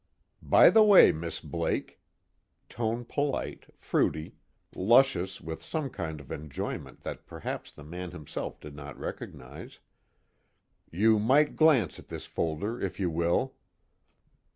"By the way, Miss Blake " tone polite, fruity, luscious with some kind of enjoyment that perhaps the man himself did not recognize "you might glance at this folder, if you will."